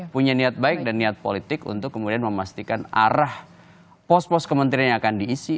punya niat baik dan niat politik untuk kemudian memastikan arah pos pos kementerian yang akan diisi